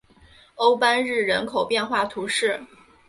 欧班日人口变化图示